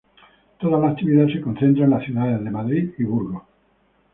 Toda la actividad se concentra en las ciudades de Madrid y Burgos.